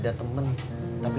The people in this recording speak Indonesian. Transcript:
lu bisa bawa emak rumah sakit